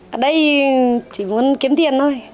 ở đây chỉ muốn kiếm tiền thôi